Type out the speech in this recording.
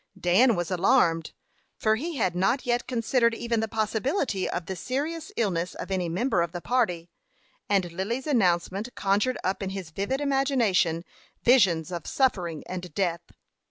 Dan was alarmed, for he had not yet considered even the possibility of the serious illness of any member of the party; and Lily's announcement conjured up in his vivid imagination visions of suffering and death.